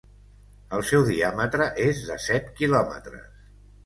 El seu diàmetre és de set quilòmetres.